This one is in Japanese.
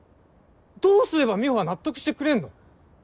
どうすれば美帆は納得してくれるの？